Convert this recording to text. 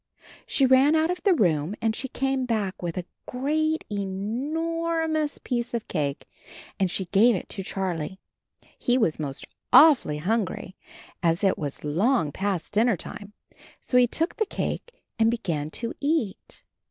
She ran out of the room and she came back with a great e nor mous piece of cake and she gave it to Charlie. He was most awfully hungry, as it was long past dinner time, so he took the cake and began to eat.